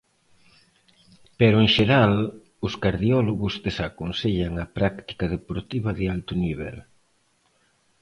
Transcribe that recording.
Pero en xeral, os cardiólogos desaconsellan a práctica deportiva de alto nivel.